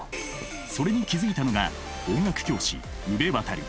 それに気付いたのが音楽教師宇部渉。